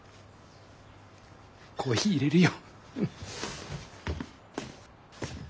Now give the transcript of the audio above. コーヒーいれるよ。